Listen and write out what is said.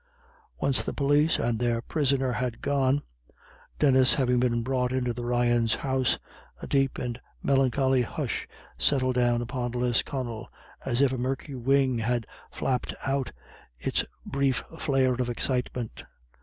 Once the police and their prisoner had gone, Denis having been brought into the Ryans' house, a deep and melancholy hush settled down upon Lisconnel, as if a murky wing had flapped out its brief flare of excitement.